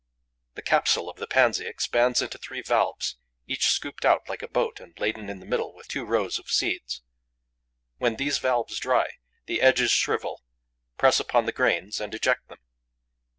The capsule of the pansy expands into three valves, each scooped out like a boat and laden in the middle with two rows of seeds. When these valves dry, the edges shrivel, press upon the grains and eject them.